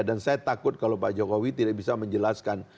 dan saya takut kalau pak jokowi tidak bisa menjelaskan